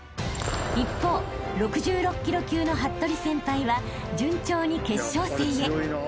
［一方６６ｋｇ級の服部先輩は順調に決勝戦へ］